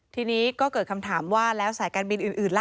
ทีนี้ก็เกิดคำถามว่าแล้วสายการบินอื่นล่ะ